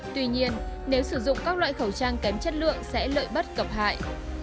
tuy nhiên nếu sử dụng các loại khẩu trang kém chất lượng sẽ lợi bất cập hại